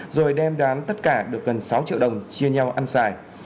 rồi đem bán tất cả được gần sáu triệu đồng chia nhau ăn xài